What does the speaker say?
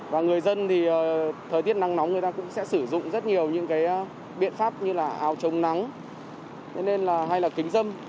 và người dân thì thời tiết nắng nóng người ta cũng sẽ sử dụng rất nhiều những cái biện pháp như là áo trồng nắng hay là kính dâm